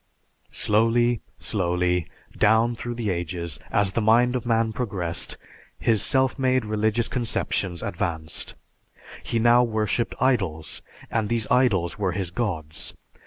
Slowly, slowly, down through the ages, as the mind of man progressed, his self made religious conceptions advanced. He now worshiped idols, and these idols were his gods.